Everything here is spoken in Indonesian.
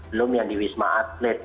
belum yang di wisma atlet